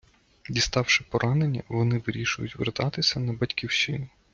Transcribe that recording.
Діставши поранення, вони вирішують вертатися на батьківщину.